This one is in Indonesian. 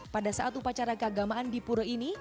pada saat upacara keagamaan di pura ini